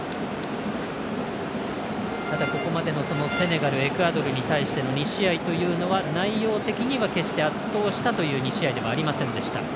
ただ、ここまでのセネガル、エクアドルに対しての２試合というのは内容的には決して圧倒したという２試合ではありませんでした。